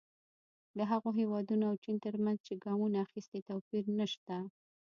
د هغو هېوادونو او چین ترمنځ چې ګامونه اخیستي توپیر نه شته.